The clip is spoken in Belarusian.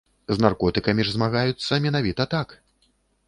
З наркотыкамі ж змагаюцца менавіта так.